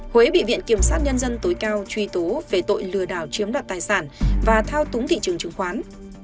huế bị viện kiểm sát nhân dân tối cao truy tố về tội lừa đảo chiếm đoạt tài sản và thao túng thị trường chứng khoán